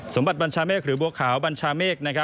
บัติบัญชาเมฆหรือบัวขาวบัญชาเมฆ